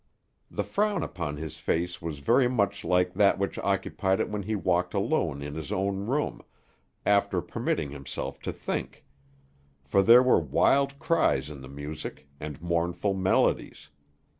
The frown upon his face was very much like that which occupied it when he walked alone in his own room, after permitting himself to think; for there were wild cries in the music, and mournful melodies.